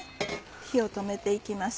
火を止めて行きます。